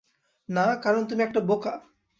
না, কারণ তুমি একটা বোকা।